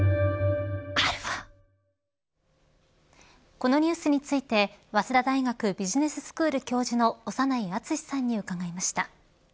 このニュースについて早稲田大学ビジネススクール教授の長内厚さんに伺いました。